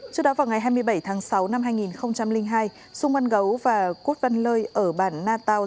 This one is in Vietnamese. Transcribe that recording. trước đó vào ngày hai mươi bảy tháng sáu năm hai nghìn hai sung mân gấu và quốc văn lơi ở bàn natao